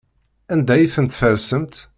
Anda ay ten-tfersemt?